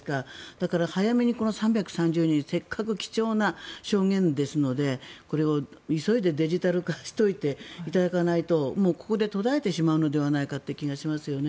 だから早めにこの３３０人せっかく貴重な証言ですのでこれを急いでデジタル化しといていただかないとここで途絶えてしまうのではないかという気がしますよね。